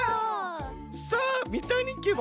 さあみたにけは？